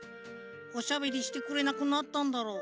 おしゃべりしてくれなくなったんだろう。